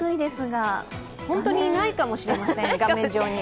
探しても本当にいないかもしれません、画面上に。